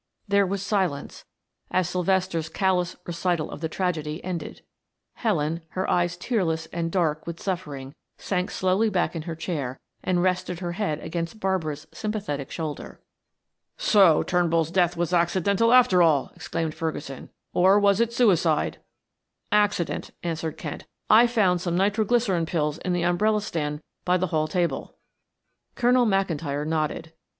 There was silence as Sylvester's callous recital of the tragedy ended. Helen, her eyes tearless and dark with suffering, sank slowly back in her chair and rested her head against Barbara's sympathetic shoulder. "So Turnbull's death was accidental after all," exclaimed Ferguson. "Or was it suicide?" "Accident," answered Kent. "I found some nitro glycerine pills in the umbrella stand by the hall table." Colonel McIntyre nodded.